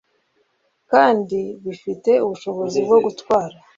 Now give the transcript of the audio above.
kandi bifite ubushobozi bwo gutwara